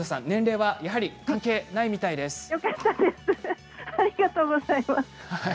年齢はやはり関係ないみたいです。